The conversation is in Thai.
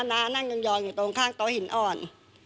นั่งยองอยู่ตรงข้างโต๊ะหินอ่อน